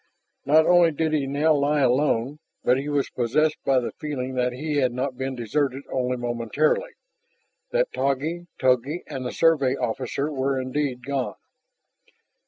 Not only did he now lie alone, but he was possessed by the feeling that he had not been deserted only momentarily, that Taggi, Togi and the Survey officer were indeed gone.